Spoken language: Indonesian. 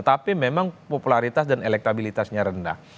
tapi memang popularitas dan elektabilitasnya rendah